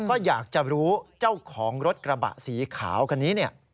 ก็อยากจะรู้เจ้าของรถกระบะสีขาวคันนี้เนี่ย